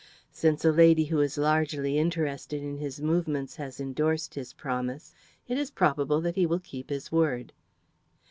Since a lady who is largely interested in his movements has endorsed his promise, it is probable that he will keep his word.